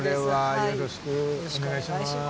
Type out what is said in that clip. よろしくお願いします。